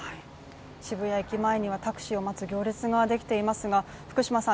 渋谷駅前にはタクシーを待つ行列ができていますが、福島さん